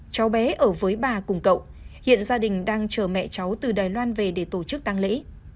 cháu bé ở với bà cùng cậu hiện gia đình đang chờ mẹ cháu từ đài loan về để tổ chức tăng lễ